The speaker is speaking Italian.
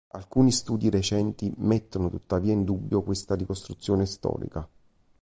Alcuni studi recenti mettono tuttavia in dubbio questa ricostruzione storica.